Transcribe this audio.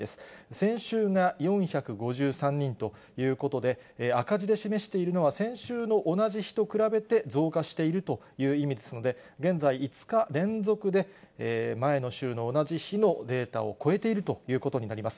先週が４５３人ということで、赤字で示しているのは、先週の同じ日と比べて増加しているという意味ですので、現在５日連続で、前の週の同じ日のデータを超えているということになります。